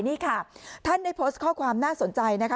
นี่ค่ะท่านได้โพสต์ข้อความน่าสนใจนะคะ